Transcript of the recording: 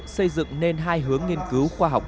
xây dựng nên hai hướng nghiên cứu khoa học